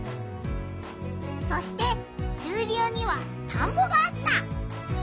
そして中流にはたんぼがあった。